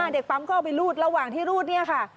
เด็กปั๊มก็เอาไปรูดระหว่างที่รูดเนี่ยค่ะ